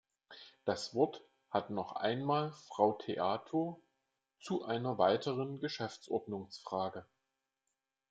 Das Wort hat noch einmal Frau Theato zu einer weiteren Geschäftsordnungsfrage.